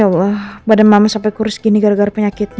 wah badan mama sampai kurus gini gara gara penyakitnya